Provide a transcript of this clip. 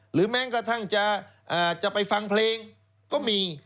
แม้กระทั่งจะไปฟังเพลงก็มี